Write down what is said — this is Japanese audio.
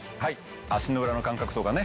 足の裏の感覚とかね。